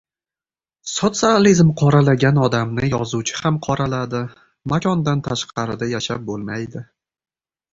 Sotsializm qoralagan odamni yozuvchi ham qoraladi. Makondan tashqarida yashab bo‘lmaydi!